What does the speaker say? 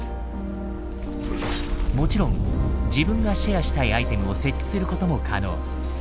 もちろん自分がシェアしたいアイテムを設置することも可能。